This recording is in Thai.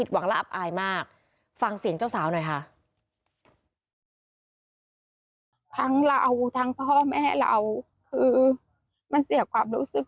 คือมันเสียความรู้สึก